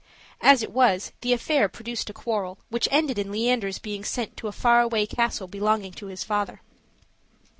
As it was, the affair produced a quarrel, which ended in Leander's being sent to a far away castle belonging to his father.